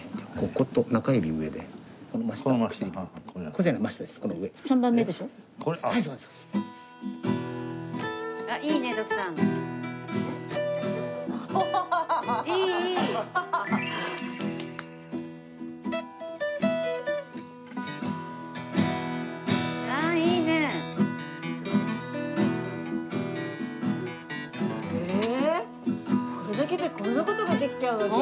これだけでこんな事ができちゃうわけ？